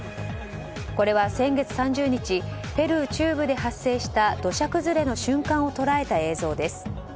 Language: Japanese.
これは先月３０日ペルー中部で発生した土砂崩れの瞬間を捉えた映像です。